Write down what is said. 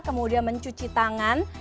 kemudian mencuci tangan